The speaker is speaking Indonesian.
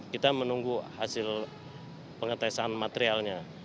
kita menunggu hasil pengetesan materialnya